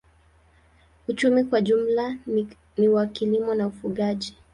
Uchumi kwa jumla ni wa kilimo na ufugaji.